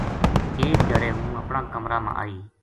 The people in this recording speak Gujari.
ایک دھیاڑے ہوں اپنا کمرا ما آئی